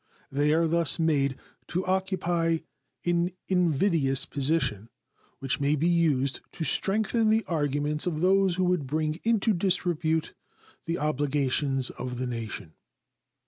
They are thus made to occupy an invidious position, which may be used to strengthen the arguments of those who would bring into disrepute the obligations of the nation.